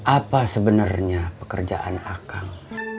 apa sebenarnya pekerjaan akang